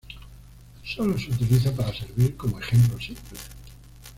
Sólo se utiliza para servir como ejemplo simple.